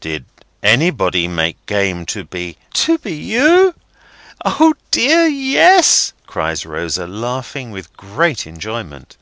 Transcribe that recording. "Did anybody make game to be—" "To be you? O dear yes!" cries Rosa, laughing with great enjoyment.